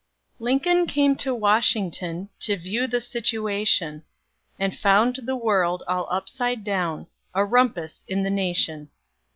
Lincoln came to Washington, To view the situation; And found the world all upside down, A rumpus in the nation.